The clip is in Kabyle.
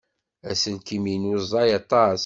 Aselkim-inu ẓẓay aṭas.